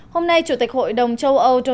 hôm nay chủ tịch hội đồng châu âu donald trump